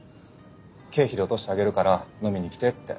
「経費で落としてあげるから飲みに来て」って。